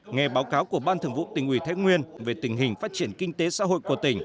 nghe báo cáo của ban thường vụ tỉnh ủy thái nguyên về tình hình phát triển kinh tế xã hội của tỉnh